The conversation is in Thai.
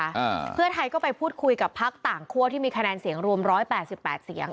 อ่าเพื่อไทยก็ไปพูดคุยกับพักต่างคั่วที่มีคะแนนเสียงรวมร้อยแปดสิบแปดเสียง